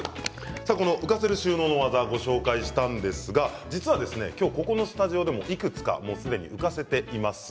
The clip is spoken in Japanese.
浮かせる収納の技ご紹介したんですが実はここのスタジオでもいくつかもうすでに浮かせています。